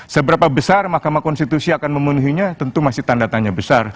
seberapa besar mahkamah konstitusi akan memenuhinya tentu masih tanda tanya besar